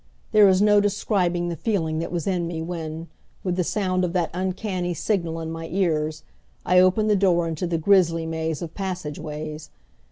There is no describing the feeling that was in me when, with the sound of that uncanny signal in my ears, I opened the door into the grizzly maze of passageways.